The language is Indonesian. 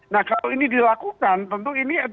nah kalau ini dilakukan tentu ini etikat baik yang di